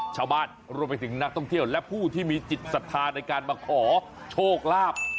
ชาวบ้านรวมไปถึงนักท่องเที่ยวและผู้ที่มีจิตศรัทธาในการมาขอโชคลาภ